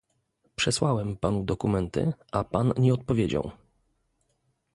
Przesłałem panu dokumenty, a pan nie odpowiedział